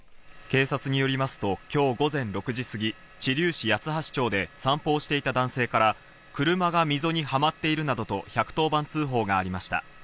警察によりますと今日午前６時すぎ、知立市八橋町で散歩をしていた男性から車が溝にはまっているなどと１１０番通報がありました。